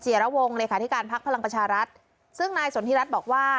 ระวงเลขาธิการพักพลังประชารัฐซึ่งนายสนทิรัฐบอกว่า